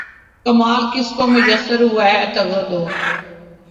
کمال کس کو میسر ہوا ہے بے تگ و دو